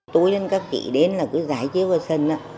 tôi nên các chị đến là cứ giải chiếu vào sân á